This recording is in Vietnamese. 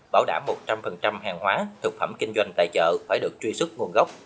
bảo đảm một trăm linh hàng hóa thực phẩm kinh doanh tại chợ phải được truy xuất nguồn gốc